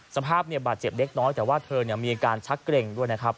สภาพบาดเจ็บเล็กน้อยแต่ว่าเธอมีอาการชักเกร็งด้วยนะครับ